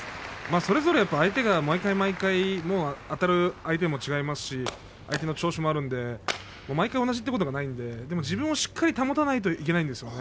それぞれ毎回あたる相手も違いますし調子もあるんで毎回同じということはないんで自分もしっかり保たないといけないんですね。